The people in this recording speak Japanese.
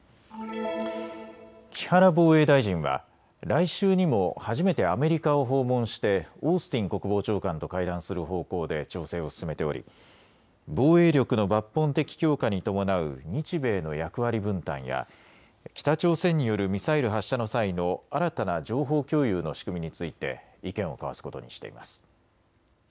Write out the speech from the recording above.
木原防衛大臣は来週にも初めてアメリカを訪問してオースティン国防長官と会談する方向で調整を進めており防衛力の抜本的強化に伴う日米の役割分担や北朝鮮によるミサイル発射の際の新たな情報共有の仕組みについて意見を交わすことにしています。